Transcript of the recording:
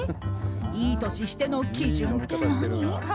いい年しての基準って何？